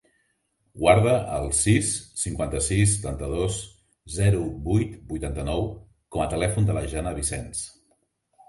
Guarda el sis, cinquanta-sis, setanta-dos, zero, vuit, vuitanta-nou com a telèfon de la Jana Vicens.